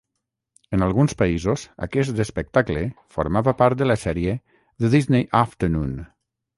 En alguns països, aquest espectable formava part de la sèrie "The Disney Afternoon".